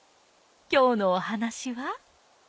今日のお話は。